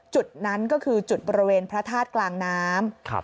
จุดนั้นก็คือจุดบริเวณพระธาตุกลางน้ำ